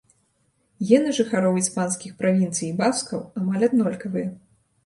Гены жыхароў іспанскіх правінцый і баскаў амаль аднолькавыя.